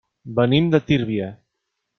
Venim de Tírvia.